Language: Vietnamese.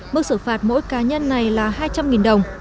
mức xử phạt mỗi cá nhân này là hai trăm linh đồng